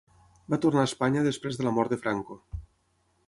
Va tornar a Espanya després de la mort de Franco.